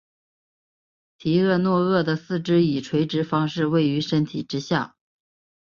提契诺鳄的四肢以垂直方式位于身体之下。